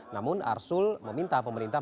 namun arsul meminta pemerintah